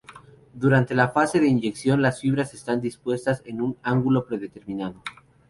Durante la fase de inyección, las fibras están dispuestas en un ángulo predeterminado.